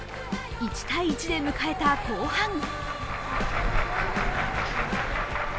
１−１で迎えた後半。